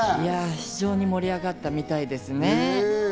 非常に盛り上がったみたいですね。